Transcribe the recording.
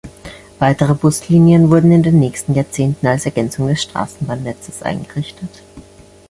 Weitere Buslinien wurden in den nächsten Jahrzehnten als Ergänzung des Straßenbahnnetzes eingerichtet.